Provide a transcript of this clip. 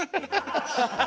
ハハハハッ！